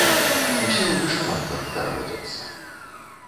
Усе ў вышыванках хараводзяцца.